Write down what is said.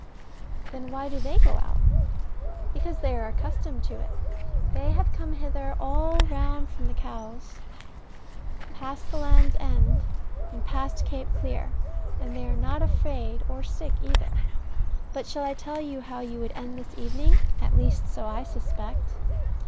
Then why do they go out? Because they are accustomed to it. They have come hither all round from Cowes, past the Land's End, and past Cape Clear, and they are not afraid or sick either. But shall I tell you how you would end this evening? at least so I suspect.